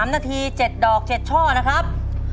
๓นาที๗ดอก๗ช่อนะครับ